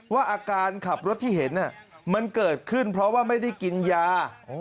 ว่าอาการขับรถที่เห็นมันเกิดขึ้นเพราะว่าไม่ได้กินยา